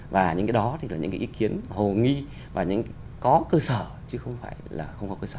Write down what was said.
và những cái đó thì là những cái ý kiến hồ nghi và những có cơ sở chứ không phải là không có cơ sở